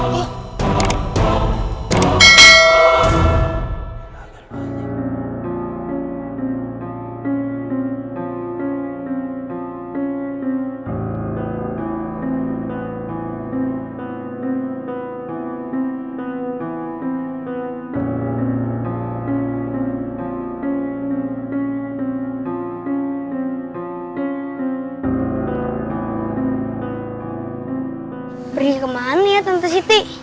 pergi ke mana ya tante siti